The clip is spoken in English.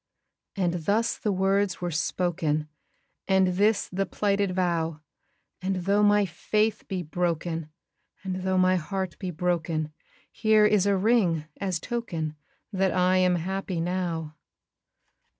And thus the words were spoken, And this the plighted vow, And, though my faith be broken, And, though my heart be broken, Here is a ring, as token That I am happy now!